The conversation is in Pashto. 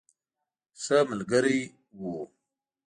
ښه ملګری وو.